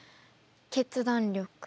決断力。